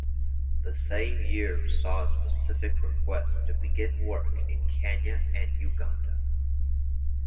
The same year saw a specific request to begin work in Kenya and Uganda.